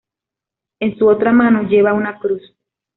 En su otra mano lleva una cruz.